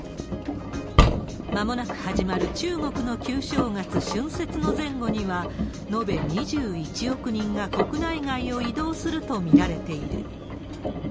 まもなく始まる中国の旧正月・春節の前後には、延べ２１億人が国内外を移動すると見られている。